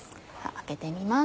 開けてみます。